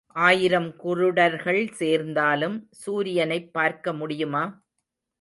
ஆயிரம் குருடர்கள் சேர்ந்தாலும் சூரியனைப் பார்க்க முடியுமா?